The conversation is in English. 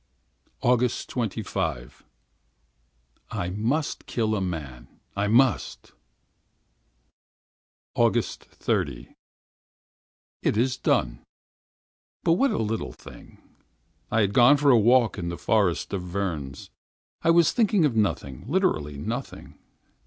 ah! 25th August. I must kill a man! I must— 30th August. It is done. But what a little thing! I had gone for a walk in the forest of Vernes. I was thinking of nothing, literally nothing.